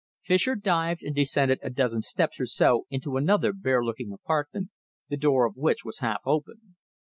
Fischer dived and descended a dozen steps or so into another bare looking apartment, the door of which was half open.